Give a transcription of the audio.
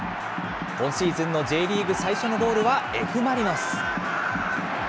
今シーズンのＪリーグ最初のゴールはＦ・マリノス。